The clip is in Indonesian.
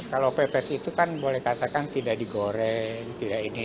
kalau pepes itu kan boleh katakan tidak digoreng tidak ini